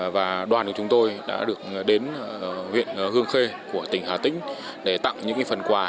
và đoàn của chúng tôi đã được đến huyện hương khê của tỉnh hà tĩnh để tặng những phần quà